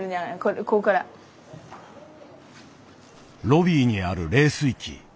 ロビーにある冷水器。